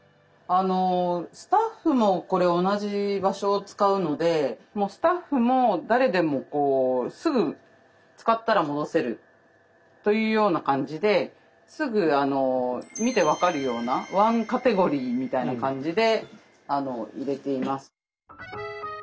スタッフもこれ同じ場所を使うのでスタッフも誰でもすぐ使ったら戻せるというような感じですぐ見て分かるような１カテゴリーみたいな感じで入れています。